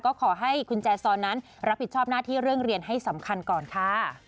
ก็ขอให้คุณแจซอนนั้นรับผิดชอบหน้าที่เรื่องเรียนให้สำคัญก่อนค่ะ